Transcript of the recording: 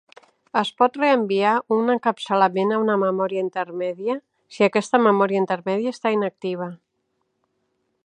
Es pot reenviar un encapçalament a un memòria intermèdia si aquesta memòria intermèdia està inactiva.